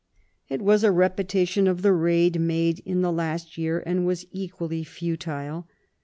It was a repetition of the raid made in the last year, and was equally futile.